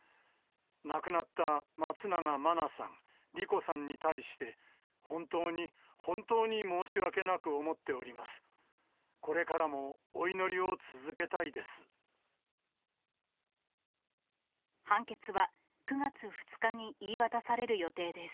亡くなった松永真菜さん、莉子さんに対して、本当に本当に申し訳なく思っております。